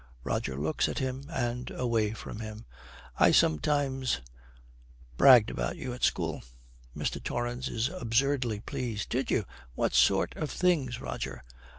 Roger looks at him and away from him. 'I sometimes bragged about you at school.' Mr. Torrance is absurdly pleased. 'Did you? What sort of things, Roger?'